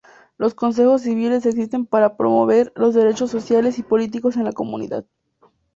Los consejos civiles existen para promover los derechos sociales y políticos en la comunidad.